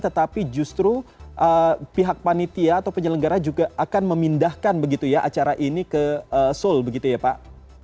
tetapi justru pihak panitia atau penyelenggara juga akan memindahkan begitu ya acara ini ke seoul begitu ya pak